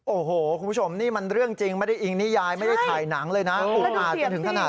โอ้โหคุณผู้ชมนี่มันเรื่องจริงไม่ได้อิงนิยายไม่ได้ถ่ายหนังเลยนะ